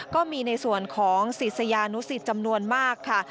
ก็มีในส่วนของศิษยานุสิตจำนวนมากค่ะ